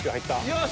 よし。